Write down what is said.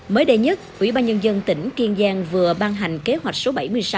mới đây nhất ủy ban nhân dân tỉnh kiên giang vừa ban hành kế hoạch số bảy mươi sáu